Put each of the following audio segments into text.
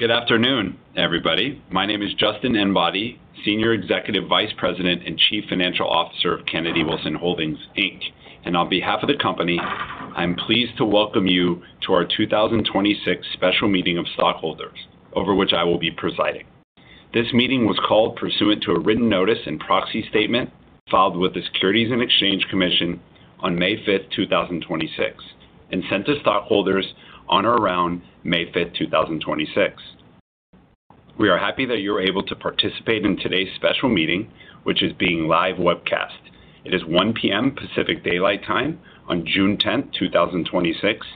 Good afternoon, everybody. My name is Justin Enbody, Senior Executive Vice President and Chief Financial Officer of Kennedy-Wilson Holdings, Inc. On behalf of the company, I'm pleased to welcome you to our 2026 special meeting of stockholders, over which I will be presiding. This meeting was called pursuant to a written notice and proxy statement filed with the Securities and Exchange Commission on May 5th, 2026, and sent to stockholders on or around May 5th, 2026. We are happy that you're able to participate in today's special meeting, which is being live webcast. It is 1:00 P.M. Pacific Daylight Time on June 10th, 2026.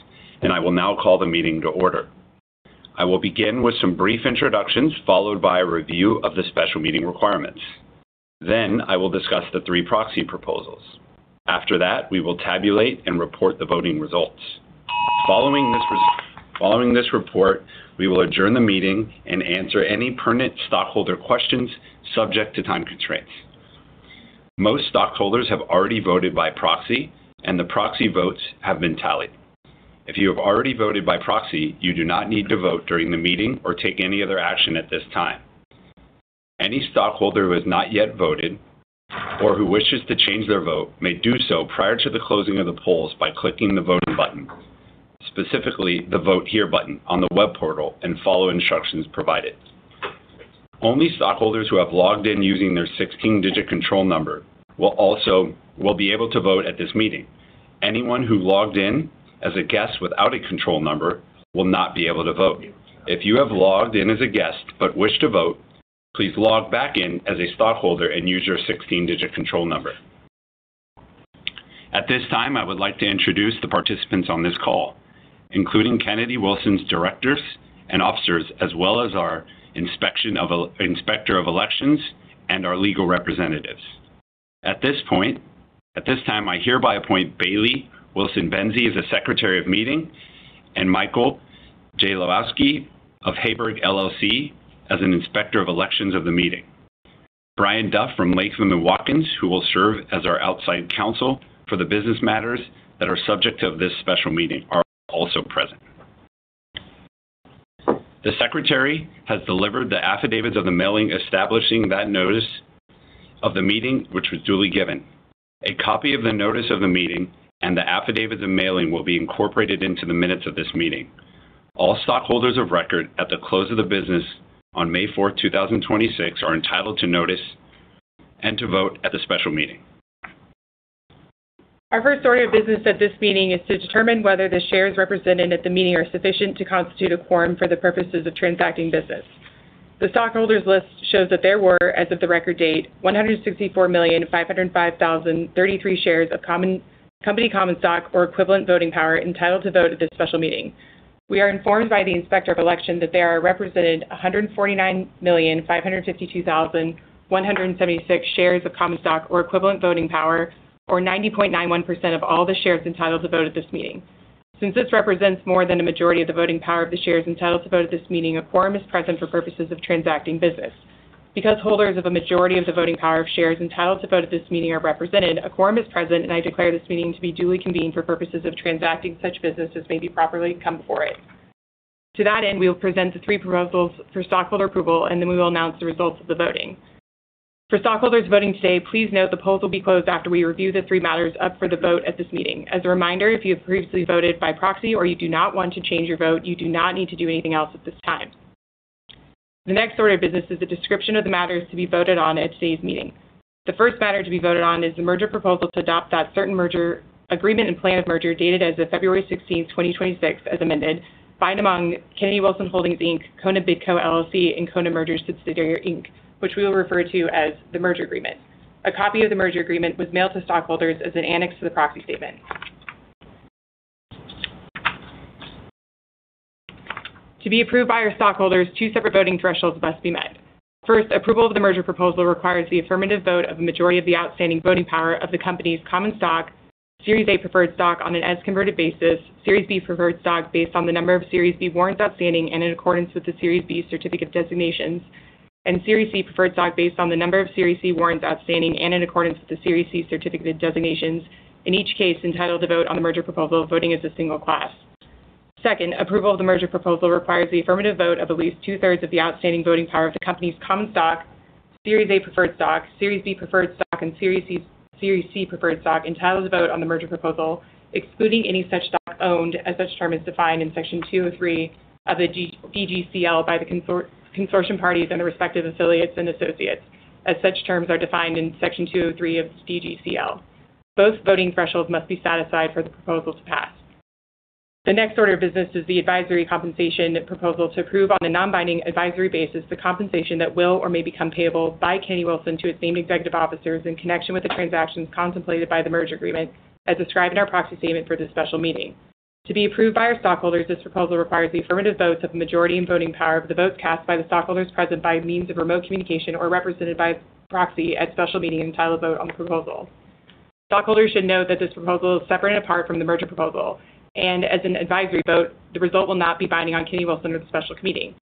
I will now call the meeting to order. I will begin with some brief introductions, followed by a review of the special meeting requirements. I will discuss the three proxy proposals. After that, we will tabulate and report the voting results. Following this report, we will adjourn the meeting and answer any pertinent stockholder questions subject to time constraints. Most stockholders have already voted by proxy, and the proxy votes have been tallied. If you have already voted by proxy, you do not need to vote during the meeting or take any other action at this time. Any stockholder who has not yet voted or who wishes to change their vote may do so prior to the closing of the polls by clicking the voting button, specifically the Vote Here button on the web portal, and follow instructions provided. Only stockholders who have logged in using their 16-digit control number will be able to vote at this meeting. Anyone who logged in as a guest without a control number will not be able to vote. If you have logged in as a guest but wish to vote, please log back in as a stockholder and use your 16-digit control number. At this time, I would like to introduce the participants on this call, including Kennedy-Wilson's directors and officers, as well as our inspector of elections and our legal representatives. At this time, I hereby appoint Bailey Wilson Benzie as a secretary of meeting and Michael J. Lawsky of Haber, LLC as an inspector of elections of the meeting. Brian Duff from Latham & Watkins, who will serve as our outside counsel for the business matters that are subject of this special meeting, are also present. The secretary has delivered the affidavits of the mailing establishing that notice of the meeting, which was duly given. A copy of the notice of the meeting and the affidavit of the mailing will be incorporated into the minutes of this meeting. All stockholders of record at the close of the business on May 4th, 2026, are entitled to notice and to vote at the special meeting. Our first order of business at this meeting is to determine whether the shares represented at the meeting are sufficient to constitute a quorum for the purposes of transacting business. The stockholders' list shows that there were, as of the record date, 164,505,033 shares of company common stock or equivalent voting power entitled to vote at this special meeting. We are informed by the inspector of election that there are represented 149,552,176 shares of common stock or equivalent voting power, or 90.91% of all the shares entitled to vote at this meeting. Since this represents more than a majority of the voting power of the shares entitled to vote at this meeting, a quorum is present for purposes of transacting business. Because holders of a majority of the voting power of shares entitled to vote at this meeting are represented, a quorum is present, and I declare this meeting to be duly convened for purposes of transacting such business as may be properly come before it. To that end, we will present the three proposals for stockholder approval, and then we will announce the results of the voting. For stockholders voting today, please note the polls will be closed after we review the three matters up for the vote at this meeting. As a reminder, if you have previously voted by proxy or you do not want to change your vote, you do not need to do anything else at this time. The next order of business is a description of the matters to be voted on at today's meeting. The first matter to be voted on is the merger proposal to adopt that certain merger agreement and plan of merger dated as of February 16th, 2026, as amended, by and among Kennedy-Wilson Holdings, Inc., Kona Bidco, LLC, and Kona Merger Subsidiary, Inc., which we will refer to as the Merger Agreement. A copy of the Merger Agreement was mailed to stockholders as an annex to the proxy statement. To be approved by our stockholders, two separate voting thresholds must be met. First, approval of the merger proposal requires the affirmative vote of a majority of the outstanding voting power of the company's common stock, Series A preferred stock on an as-converted basis, Series B preferred stock based on the number of Series B warrants outstanding and in accordance with the Series B certificate designations, and Series C preferred stock based on the number of Series C warrants outstanding and in accordance with the Series C certificate designations, in each case entitled to vote on the merger proposal, voting as a single class. Second, approval of the merger proposal requires the affirmative vote of at least two-thirds of the outstanding voting power of the company's common stock, Series A preferred stock, Series B preferred stock, and Series C preferred stock entitled to vote on the merger proposal, excluding any such stock owned as such term is defined in Section 203 of the DGCL by the consortium parties and the respective affiliates and associates, as such terms are defined in Section 203 of the DGCL. Both voting thresholds must be satisfied for the proposal to pass. The next order of business is the advisory compensation proposal to approve on a non-binding advisory basis the compensation that will or may become payable by Kennedy-Wilson to its named executive officers in connection with the transactions contemplated by the merger agreement, as described in our proxy statement for this special meeting. To be approved by our stockholders, this proposal requires the affirmative votes of a majority in voting power of the votes cast by the stockholders present by means of remote communication or represented by proxy at special meeting entitled to vote on the proposal. Stockholders should note that this proposal is separate and apart from the merger proposal. As an advisory vote, the result will not be binding on Kennedy-Wilson or the special committee.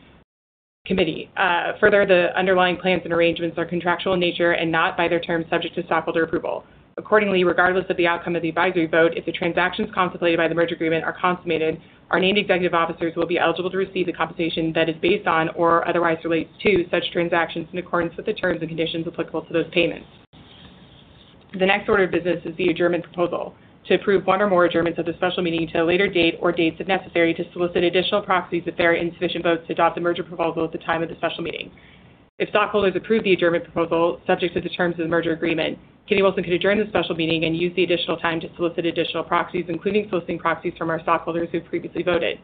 Further, the underlying plans and arrangements are contractual in nature and not by their terms subject to stockholder approval. Accordingly, regardless of the outcome of the advisory vote, if the transactions contemplated by the merger agreement are consummated, our named executive officers will be eligible to receive the compensation that is based on or otherwise relates to such transactions in accordance with the terms and conditions applicable to those payments. The next order of business is the adjournment proposal to approve one or more adjournments of the special meeting to a later date or dates, if necessary, to solicit additional proxies if there are insufficient votes to adopt the merger proposal at the time of the special meeting. If stockholders approve the adjournment proposal, subject to the terms of the merger agreement, Kennedy-Wilson could adjourn the special meeting and use the additional time to solicit additional proxies, including soliciting proxies from our stockholders who have previously voted.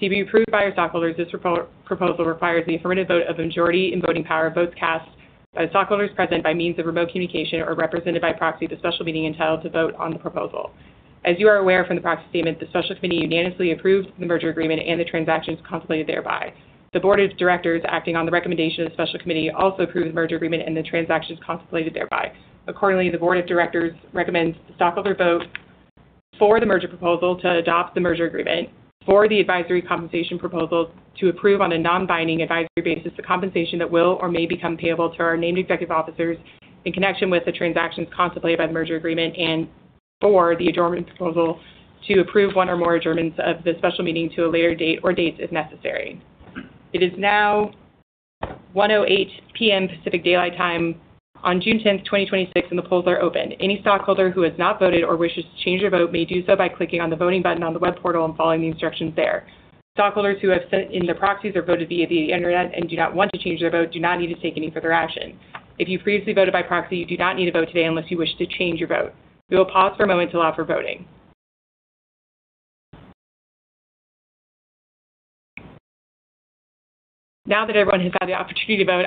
To be approved by our stockholders, this proposal requires the affirmative vote of a majority in voting power of votes cast by the stockholders present by means of remote communication or represented by proxy at the special meeting entitled to vote on the proposal. As you are aware from the proxy statement, the special committee unanimously approved the merger agreement and the transactions contemplated thereby. The board of directors, acting on the recommendation of the special committee, also approved the merger agreement and the transactions contemplated thereby. Accordingly, the board of directors recommends the stockholder vote for the merger proposal to adopt the merger agreement for the advisory compensation proposals to approve on a non-binding advisory basis the compensation that will or may become payable to our named executive officers in connection with the transactions contemplated by the merger agreement and for the adjournment proposal to approve one or more adjournments of the special meeting to a later date or dates if necessary. It is now 1:08 P.M. Pacific Daylight Time on June 10th, 2026, and the polls are open. Any stockholder who has not voted or wishes to change their vote may do so by clicking on the voting button on the web portal and following the instructions there. Stockholders who have sent in their proxies or voted via the internet and do not want to change their vote do not need to take any further action. If you previously voted by proxy, you do not need to vote today unless you wish to change your vote. We will pause for a moment to allow for voting. Everyone has had the opportunity to vote,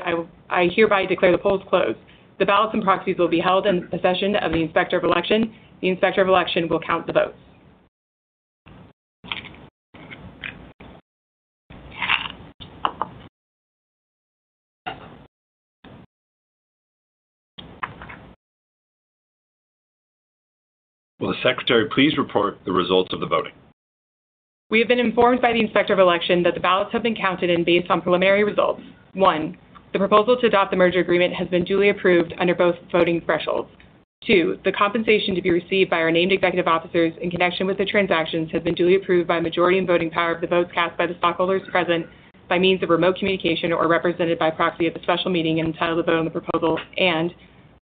I hereby declare the polls closed. The ballots and proxies will be held in the possession of the Inspector of Election. The Inspector of Election will count the votes. Will the Secretary please report the results of the voting? We have been informed by the Inspector of Election that the ballots have been counted and based on preliminary results, one, the proposal to adopt the merger agreement has been duly approved under both voting thresholds. Two, the compensation to be received by our named executive officers in connection with the transactions has been duly approved by a majority in voting power of the votes cast by the stockholders present by means of remote communication or represented by proxy at the special meeting and entitled to vote on the proposal.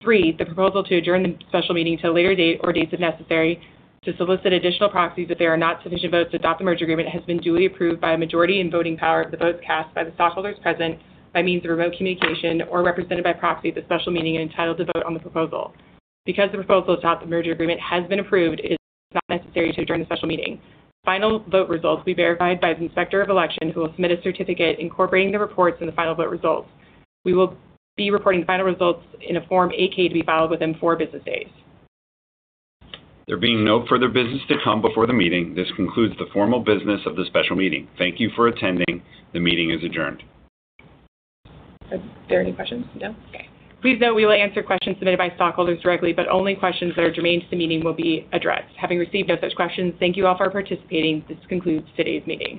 Three, the proposal to adjourn the special meeting to a later date or dates, if necessary, to solicit additional proxies if there are not sufficient votes to adopt the merger agreement, has been duly approved by a majority in voting power of the votes cast by the stockholders present by means of remote communication or represented by proxy at the special meeting and entitled to vote on the proposal. Because the proposal to adopt the merger agreement has been approved, it is not necessary to adjourn the special meeting. Final vote results will be verified by the Inspector of Election, who will submit a certificate incorporating the reports and the final vote results. We will be reporting the final results in a Form 8-K to be filed within four business days. There being no further business to come before the meeting, this concludes the formal business of the special meeting. Thank you for attending. The meeting is adjourned. Are there any questions? No? Okay. Please note we will answer questions submitted by stockholders directly, but only questions that are germane to the meeting will be addressed. Having received no such questions, thank you all for participating. This concludes today's meeting.